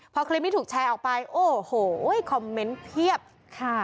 พอคลิปนี้ถูกแชร์ออกไปโอ้โหคอมเมนต์เพียบค่ะ